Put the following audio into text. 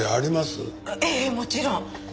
ええもちろん。